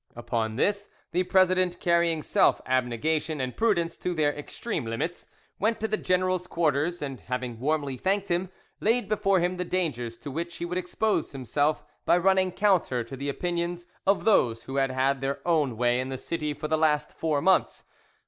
Upon this, the president carrying self abnegation and prudence to their extreme limits, went to the general's quarters, and having warmly thanked him, laid before him the dangers to which he would expose himself by running counter to the opinions of those who had had their own way in the city for the last four months.